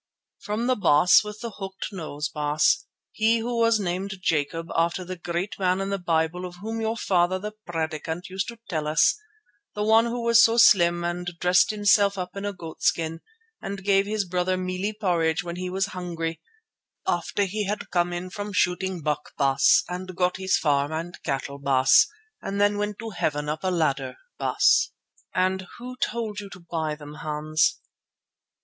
"From the baas with the hooked nose, Baas. He who was named Jacob, after the great man in the Bible of whom your father, the Predikant, used to tell us, that one who was so slim and dressed himself up in a goatskin and gave his brother mealie porridge when he was hungry, after he had come in from shooting buck, Baas, and got his farm and cattle, Baas, and then went to Heaven up a ladder, Baas." "And who told you to buy them, Hans?"